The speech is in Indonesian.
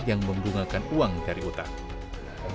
yang membungakan uang dari utang